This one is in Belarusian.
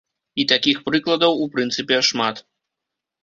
І такіх прыкладаў, у прынцыпе, шмат.